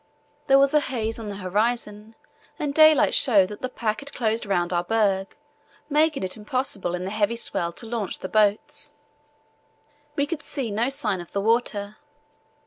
There was a haze on the horizon, and daylight showed that the pack had closed round our berg, making it impossible in the heavy swell to launch the boats. We could see no sign of the water.